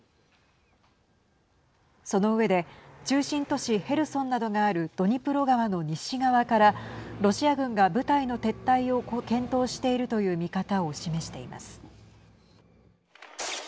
その上で中心都市ヘルソンなどがあるドニプロ川の西側からロシア軍が部隊の撤退を検討しているという見方を示しています。